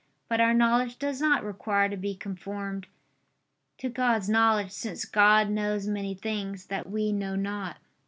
But our knowledge does not require to be conformed to God's knowledge; since God knows many things that we know not.